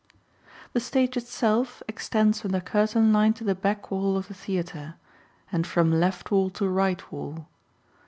The stage itself extends from the curtain line to the back wall of the theatre, and from left wall to right wall.